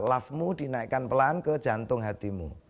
love mu dinaikkan pelan ke jantung hatimu